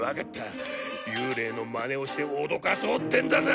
幽霊のマネをして脅かそうってんだな。